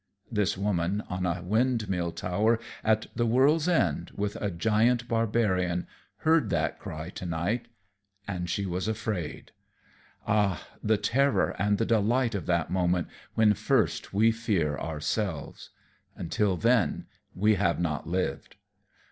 This woman, on a windmill tower at the world's end with a giant barbarian, heard that cry to night, and she was afraid! Ah! the terror and the delight of that moment when first we fear ourselves! Until then we have not lived.